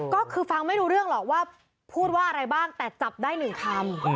ก็คือฟังไม่รู้เรื่องหรอกว่าพูดว่าอะไรบ้างแต่จับได้หนึ่งคำ